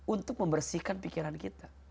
untuk membersihkan pikiran kita